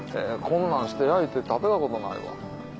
こんなんして焼いて食べたことないわ。